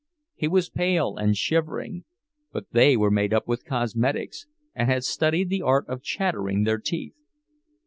He was pale and shivering—but they were made up with cosmetics, and had studied the art of chattering their teeth.